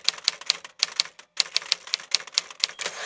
มคศ๑๕